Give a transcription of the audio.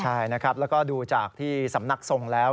ใช่นะครับแล้วก็ดูจากที่สำนักทรงแล้ว